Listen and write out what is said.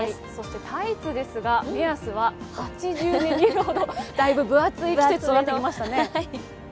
タイツですが、８０デニールほど、だいぶ分厚い季節となってきましたね。